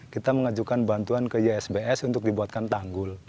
kita mengajukan bantuan ke ysbs untuk dibuatkan tanggul